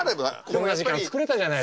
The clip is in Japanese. こんな時間作れたじゃないですか。